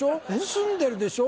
澄んでるでしょ？